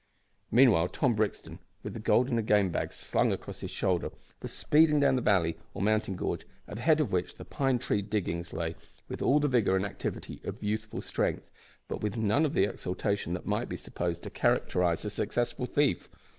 Meanwhile Tom Brixton, with the gold in a game bag slung across his shoulder, was speeding down the valley, or mountain gorge, at the head of which the Pine Tree Diggings lay, with all the vigour and activity of youthful strength, but with none of the exultation that might be supposed to characterise a successful thief.